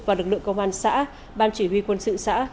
và lực lượng công an xã ban chỉ huy quân sự xã